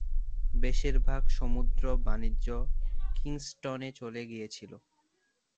বেশিরভাগ সমুদ্র বাণিজ্য কিংস্টনে চলে গিয়েছিলো।